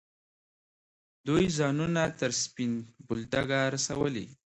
دوی ځانونه تر سپین بولدکه رسولي.